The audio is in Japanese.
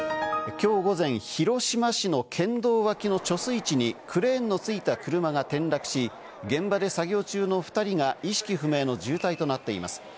今日午前、広島市の県道脇の貯水池にクレーンのついた車が転落し、現場で作業中の２人が意識不明の重体となっています。